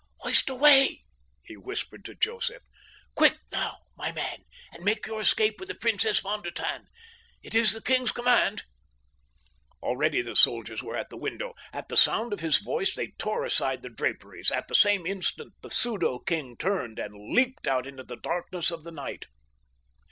"Hoist away!" he whispered to Joseph. "Quick now, my man, and make your escape with the Princess von der Tann. It is the king's command." Already the soldiers were at the window. At the sound of his voice they tore aside the draperies; at the same instant the pseudo king turned and leaped out into the blackness of the night.